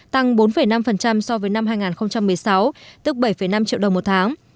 tăng bốn năm so với năm hai nghìn một mươi sáu tức bảy năm triệu đồng một tháng